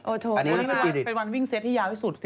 เปลี่ยนวานวิ่งเซ็ตที่ยาวที่สุด